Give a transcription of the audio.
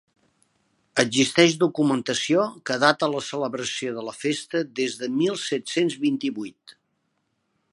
Existeix documentació que data la celebració de la festa des de mil set-cents vint-i-vuit.